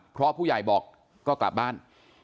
เพราะผู้ใหญ่บอกก็กลับบ้าน